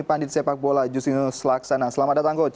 pandit sepak bola justinus laksana selamat datang coach